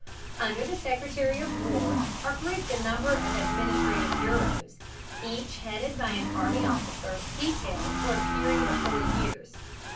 Under the Secretary of War are grouped a number of administrative bureaus, each headed by an army officer detailed for a period of four years.